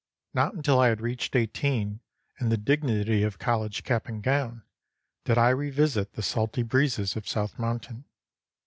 Not until I had reached eighteen, and the dignity of college cap and gown, did I revisit the salty breezes of South Mountain.